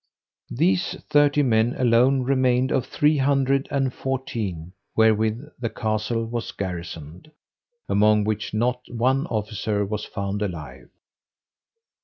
These thirty men alone remained of three hundred and fourteen wherewith the castle was garrisoned, among which not one officer was found alive.